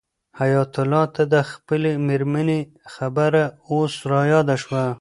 حیات الله ته د خپلې مېرمنې خبره اوس رایاده شوه.